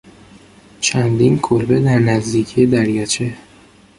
چندین کلبه در نزدیکی دریاچه